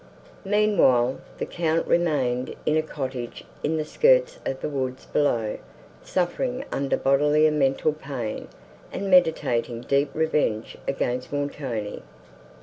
Meanwhile, the Count remained in a cottage in the skirts of the woods below, suffering under bodily and mental pain, and meditating deep revenge against Montoni.